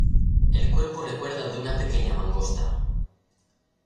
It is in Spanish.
El cuerpo recuerda al de una pequeña mangosta.